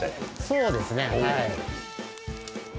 そうですね、はい。